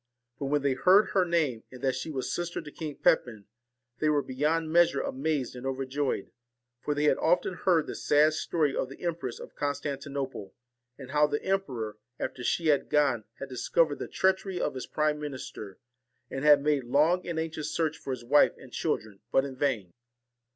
But, when they heard her name, and that she was sister to King Pepin, they were beyond measure amazed and overjoyed ; for they had often heard the sad story of the Empress of Constantinople, and how the emperor, after she had gone, had discovered the treachery of his prime minister, and had made long and anxious search for his wife and children, but in vain.